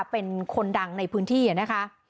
เป็นคนดังในพื้นที่นะคะ